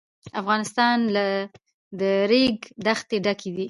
افغانستان له د ریګ دښتې ډک دی.